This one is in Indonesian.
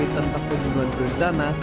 tanpa pembunuhan rencana